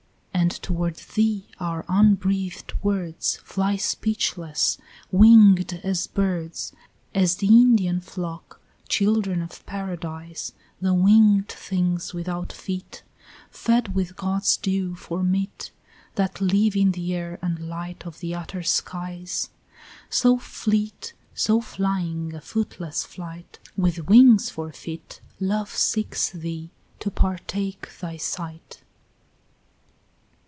12 And toward thee our unbreathed words Fly speechless, winged as birds, As the Indian flock, children of Paradise, The winged things without feet, Fed with God's dew for meat, That live in the air and light of the utter skies; So fleet, so flying a footless flight, With wings for feet love seeks thee, to partake thy sight.